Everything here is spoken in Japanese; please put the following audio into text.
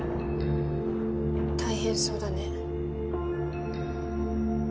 大変そうだね。